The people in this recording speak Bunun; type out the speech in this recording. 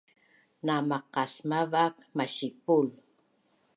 Namaqasmav ak masipul